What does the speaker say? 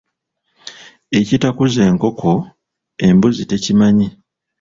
Ekitakuza enkoko, embuzi tekimanya.